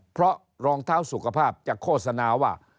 เพราะรองเท้าสุขภาพจะโฆษณาว่า